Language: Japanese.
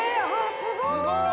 すごい！